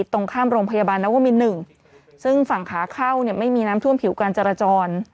ตรงข้ามโรงพยาบาลนวมิน๑ซึ่งฝั่งขาเข้าเนี่ยไม่มีน้ำท่วมผิวการจราจร